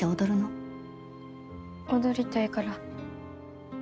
踊りたいから。